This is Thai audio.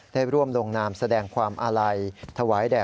ได้ร่วมลงนามแสดงความอาลัยถวายแด่